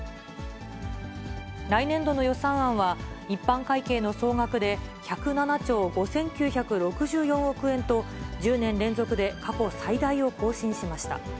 来年度の予算案は、一般会計の総額で１０７兆５９６４億円と、１０年連続で過去最大を更新しました。